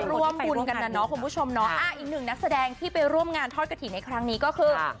ร่วมบุญกันนะเนาะคุณผู้ชมเนาะอีกหนึ่งนักแสดงที่ไปร่วมงานทอดกระถิ่นในครั้งนี้ก็คือ